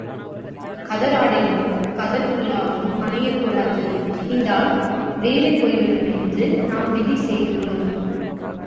கதர் ஆடையும் கதர் குல்லாவும் அணியக் கூடாது அணிந்தால் வேலை போய்விடும் என்று நாம் விதி செய்துள்ளோம்.